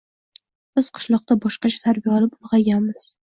Biz qishloqda boshqacha tarbiya olib ulg`ayganmiz